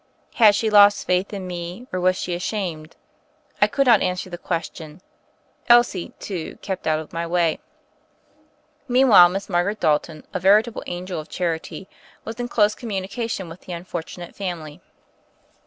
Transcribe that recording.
Had she lost faith in me? or was she ashamed? I could not answer the question. Elsie, too, kept out of my way. Meanwhile, Miss Margaret Dalton, a verita ble angel of charity, was in close communica tion with the unfortunate family.